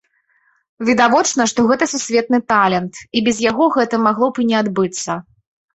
Відавочна, што гэта сусветны талент, і без яго гэта магло б і не адбыцца.